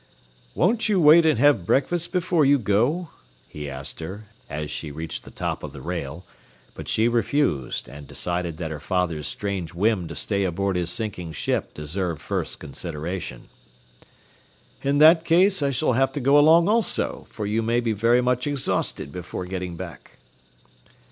"Won't you wait and have breakfast before you go," he asked her, as she reached the top of the rail; but she refused, and decided that her father's strange whim to stay aboard his sinking ship deserved first consideration. "In that case I shall have to go along also, for you may be very much exhausted before getting back."